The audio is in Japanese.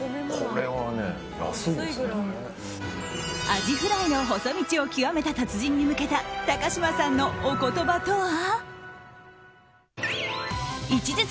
アジフライの細道を極めた達人に向けた高嶋さんのお言葉とは？